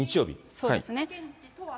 そうですね。